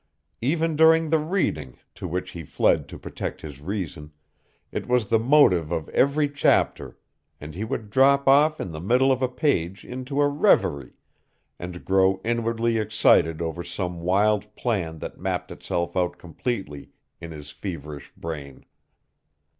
Even during the reading, to which he fled to protect his reason, it was the motive of every chapter, and he would drop off in the middle of a page into a reverie, and grow inwardly excited over some wild plan that mapped itself out completely in his feverish brain.